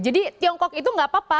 tiongkok itu nggak apa apa